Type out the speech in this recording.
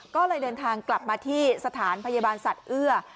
ก็เลยเดินทางกลับมาที่สถานพยาบาลสัตว์เอื้อ